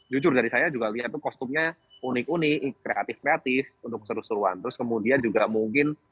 jujur dari saya juga lihat itu kostumnya unik unik kreatif kreatif untuk seru seruan terus kemudian juga mungkin